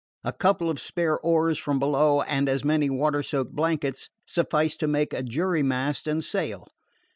A couple of spare oars from below, and as many water soaked blankets, sufficed to make a jury mast and sail.